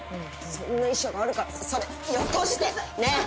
そんな遺書があるからそれよこしてねえ